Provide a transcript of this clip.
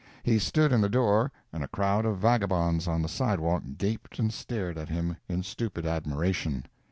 He stood in the door, and a crowd of vagabonds on the sidewalk gaped and stared at him in stupid admiration.